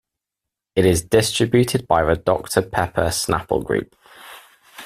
It is distributed by the Doctor Pepper Snapple Group.